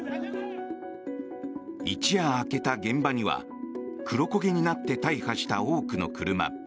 一夜明けた現場には黒焦げになって大破した多くの車。